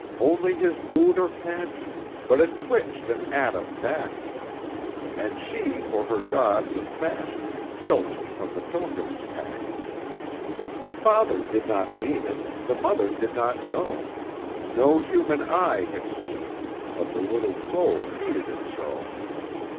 "Only his mood or passion, But it twitched an atom back, And she for her gods of fashion Filched from the pilgrim's pack. "The father did not mean it, The mother did not know, No human eye had seen it, But the little soul needed it so.